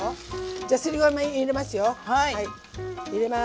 じゃあすりごま入れますよ。